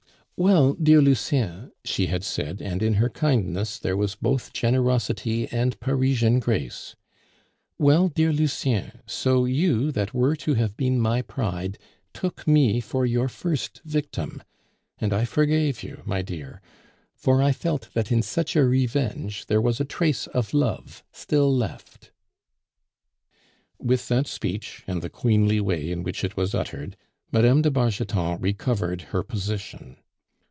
"Well, dear Lucien," she had said, and in her kindness there was both generosity and Parisian grace; "well, dear Lucien, so you, that were to have been my pride, took me for your first victim; and I forgave you, my dear, for I felt that in such a revenge there was a trace of love still left." With that speech, and the queenly way in which it was uttered, Mme. de Bargeton recovered her position.